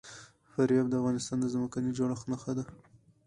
فاریاب د افغانستان د ځمکې د جوړښت نښه ده.